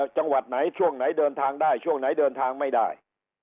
จังหวัดไหนช่วงไหนเดินทางได้ช่วงไหนเดินทางไม่ได้